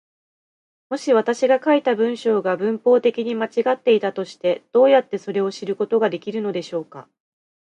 もし私が書いた文章が文法的に間違っていたとして、どうやってそれを知ることができるのでしょうか。